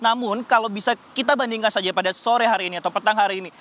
namun kalau bisa kita bandingkan saja pada sore hari ini atau petang hari ini